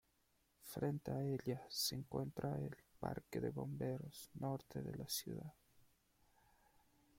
Frente a ella se encuentra el Parque de Bomberos Norte de la ciudad.